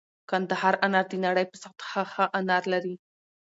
کندهار انار د نړۍ په سطحه ښه انار لري